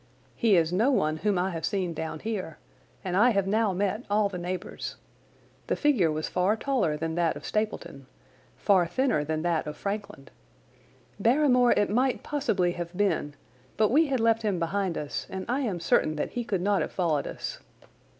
He is no one whom I have seen down here, and I have now met all the neighbours. The figure was far taller than that of Stapleton, far thinner than that of Frankland. Barrymore it might possibly have been, but we had left him behind us, and I am certain that he could not have followed us.